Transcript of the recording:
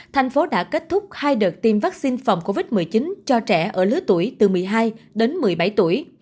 thành phố đã kết thúc hai đợt tiêm vaccine phòng covid một mươi chín cho trẻ ở lứa tuổi từ một mươi hai đến một mươi bảy tuổi